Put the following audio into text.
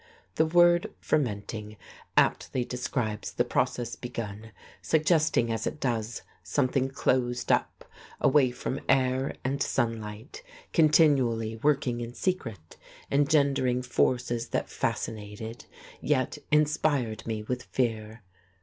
The word fermenting aptly describes the process begun, suggesting as it does something closed up, away from air and sunlight, continually working in secret, engendering forces that fascinated, yet inspired me with fear.